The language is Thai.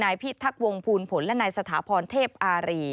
พิทักวงภูลผลและนายสถาพรเทพอารี